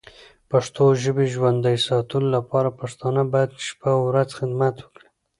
پښتو ژبی ژوندی ساتلو لپاره پښتانه باید شپه او ورځ خدمت وکړې.